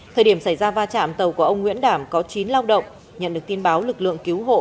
thời điểm xảy ra va chạm tàu của ông nguyễn đảm có chín lao động nhận được tin báo lực lượng cứu hộ